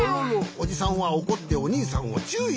おじさんはおこっておにいさんをちゅういしました。